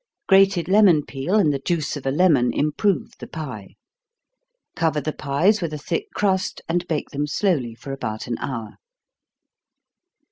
Grated lemon peel, and the juice of a lemon, improve the pie. Cover the pies with a thick crust, and bake them slowly for about an hour.